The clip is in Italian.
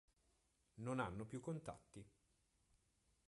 Non hanno più contatti.